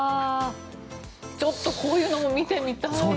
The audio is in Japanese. ちょっとこういうのも見てみたいですね。